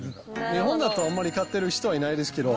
日本だとあまり飼ってる人、いないですけど。